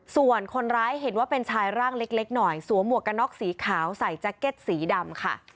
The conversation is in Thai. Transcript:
ส่วนคนร้ายเห็นว่าเป็นชายร่างเล็กหน่อยสวมหวกกันน็อกสีขาวใส่แจ็คเก็ตสีดำค่ะ